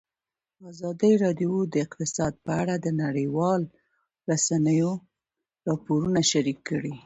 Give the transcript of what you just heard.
ازادي راډیو د اقتصاد په اړه د نړیوالو رسنیو راپورونه شریک کړي.